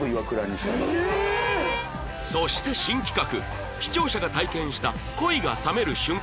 そして新企画視聴者が体験した恋が冷める瞬間